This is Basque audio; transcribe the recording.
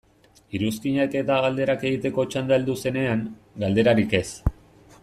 Iruzkinak eta galderak egiteko txanda heldu zenean, galderarik ez.